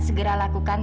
sekarang realnya gimana